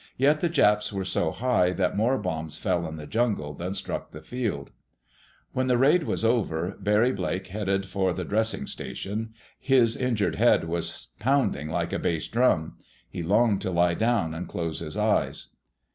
Yet the Japs were so high that more bombs fell in the jungle than struck the field. When the raid was over, Barry Blake headed for the dressing station. His injured head was pounding like a bass drum. He longed to lie down and close his eyes.